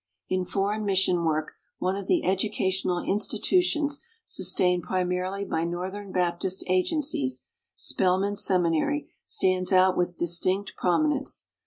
In foreign mission work one of the educational institutions sus tained primarily by Northern Baptist agen cies Spelman Seminary stands out with distinct prominence.